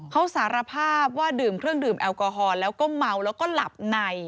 เขาสารภาพว่าดื่มเครื่องดื่มแอลกอฮอลแล้วก็เมาแล้วก็หลับใน